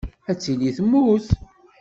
Ad tili temmut.